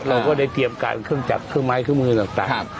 เราก็ได้เตรียมการเครื่องจับเครื่องไม้เครื่องมือต่าง